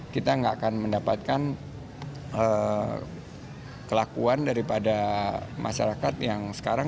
kita nggak akan mendapatkan kelakuan daripada masyarakat yang sekarang